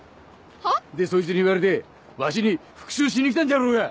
は？でそいつに言われてわしに復讐しに来たんじゃろうが！